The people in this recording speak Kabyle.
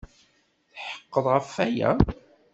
Tetḥeqqeḍ ɣef waya?